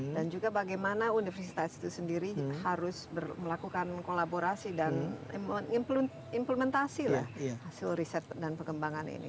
dan juga bagaimana universitas itu sendiri harus melakukan kolaborasi dan implementasi lah hasil riset dan pengembangan ini